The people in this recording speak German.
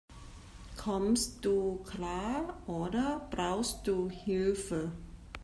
Kommst du klar, oder brauchst du Hilfe?